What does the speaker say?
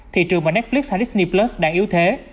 thị trường mà netflix hay disney plus đang yếu thế